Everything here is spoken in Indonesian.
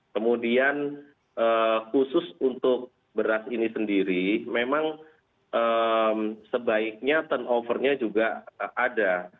kemudian khusus untuk beras ini sendiri memang sebaiknya turnovernya juga ada